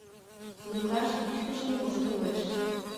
Лукаш вичкыжын воштылеш: